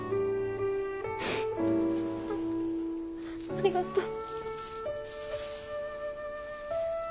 ありがとう。